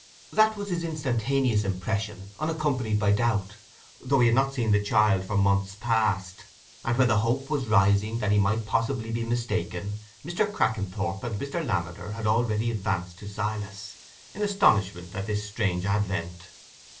That was his instantaneous impression, unaccompanied by doubt, though he had not seen the child for months past; and when the hope was rising that he might possibly be mistaken, Mr. Crackenthorp and Mr. Lammeter had already advanced to Silas, in astonishment at this strange advent.